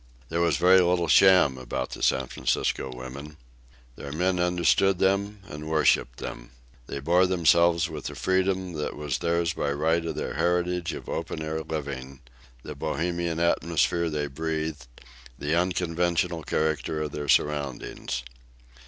There was very little sham about the San Francisco women. Their men understood them and worshiped them. They bore themselves with the freedom that was theirs by right of their heritage of open air living, the Bohemian atmosphere they breathed, the unconventional character of their surroundings.